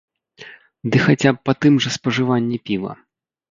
Ды хаця б па тым жа спажыванні піва.